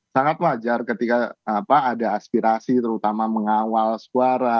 sangat wajar ketika ada aspirasi terutama mengawal suara